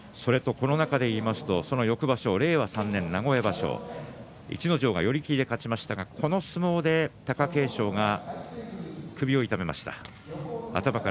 この中でいいますとその翌場所令和３年、名古屋場所逸ノ城が寄り切りで勝ちましたがこの相撲で貴景勝が首を痛めました。